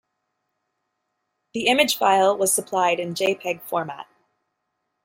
The image file was supplied in jpeg format.